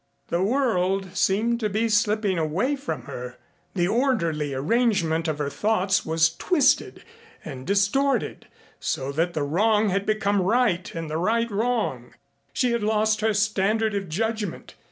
The world seemed to be slipping away from her, the orderly arrangement of her thoughts was twisted and distorted so that wrong had become right and right wrong. She had lost her standard of judgment.